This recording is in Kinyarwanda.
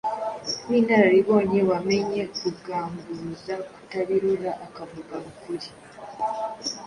winararibonye, wamenye kugamburuza Katabirora akavuga ukuri